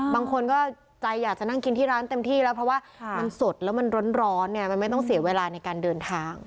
บางคนก็ใจอยากจะนั่งกินที่ร้านเต็มที่แล้วเพราะว่ามันสดแล้วมันร้อนเนี่ยมันไม่ต้องเสียเวลาในการเดินทาง